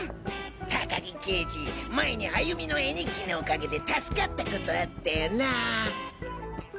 高木刑事前に歩美の絵日記のおかげで助かったことあったよなあ。